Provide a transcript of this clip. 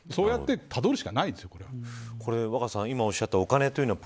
そうやってたどるしかないですよ、これは。